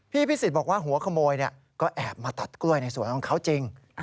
พิสิทธิ์บอกว่าหัวขโมยก็แอบมาตัดกล้วยในสวนของเขาจริง